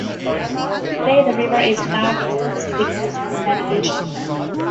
Today the river is not extensively used for navigation.